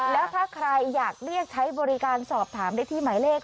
แล้วถ้าใครอยากเรียกใช้บริการสอบถามได้ที่หมายเลข